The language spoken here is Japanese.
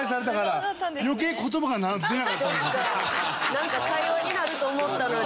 なんか会話になると思ったのに。